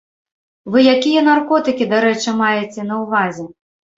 Вы якія наркотыкі, дарэчы, маеце на ўвазе?